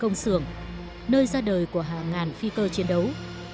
công xưởng nơi ra đời của hàng ngàn phi cơ chiến đấu